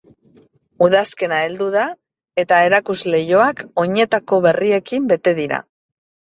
Udazkena heldu da eta erakuslehioak oinetako berriekin bete dira.